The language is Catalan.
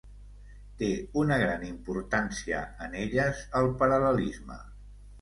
Té una gran importància en elles el paral·lelisme.